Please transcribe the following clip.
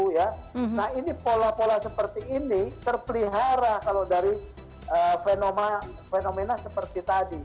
nah ini pola pola seperti ini terpelihara kalau dari fenomena seperti tadi